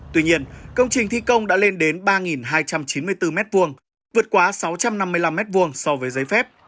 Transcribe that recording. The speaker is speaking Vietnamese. tuy nhiên công trình thi công đã lên đến ba hai trăm chín mươi bốn m hai vượt quá sáu trăm năm mươi năm m hai so với giấy phép